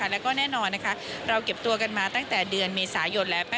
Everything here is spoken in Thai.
แล้วก็แน่นอนเราเก็บตัวกันมาตั้งแต่เดือนเมษายนแล้ว